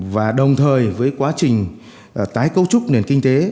và đồng thời với quá trình tái cấu trúc nền kinh tế